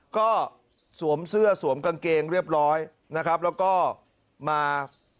ก็สวมเสื้อสวมกางเกงเรียบร้อยนะครับแล้วก็มา